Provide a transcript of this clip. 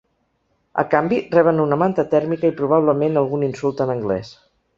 A canvi, reben una manta tèrmica i probablement algun insult en anglès.